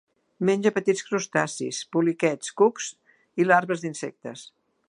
Menja petits crustacis, poliquets, cucs i larves d'insectes.